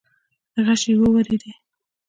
غشې وورېدې.